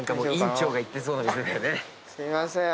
すみません。